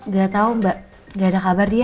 gak tau mbak gak ada kabar dia